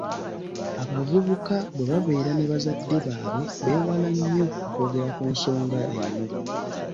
Abavubuka bwe babeera ne bazadde baabwe beewala nnyo okwogera ku nsonga eno.